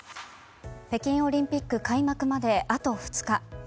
北京オリンピック開幕まであと２日。